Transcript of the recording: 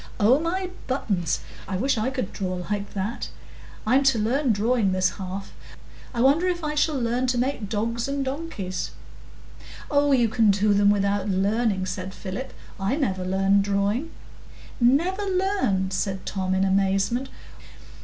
"Oh my buttons! I wish I could draw like that. I'm to learn drawing this half; I wonder if I shall learn to make dogs and donkeys!" "Oh, you can do them without learning," said Philip; "I never learned drawing." "Never learned?" said Tom, in amazement.